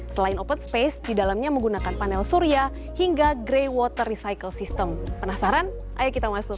selain open space di dalamnya menggunakan panel surya hingga grey water recycle system penasaran ayo kita masuk